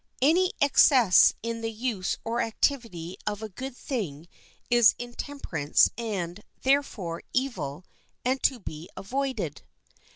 Any excess in the use or activity of a good thing is intemperance and, therefore, evil, and to be avoided.